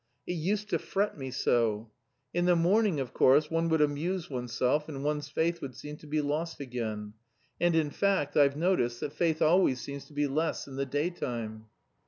It used to fret me so! In the morning, of course, one would amuse oneself and one's faith would seem to be lost again; and in fact I've noticed that faith always seems to be less in the daytime."